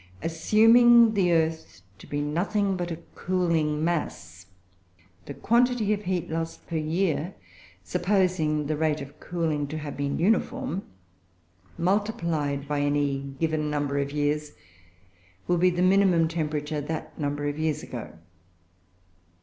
Assuming the earth to be nothing but a cooling mass, the quantity of heat lost per year, supposing the rate of cooling to have been uniform, multiplied by any given number of years, will be given the minimum temperature that number of years ago.